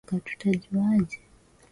akaisaidia Ufaransa kutwaa kombe la dunia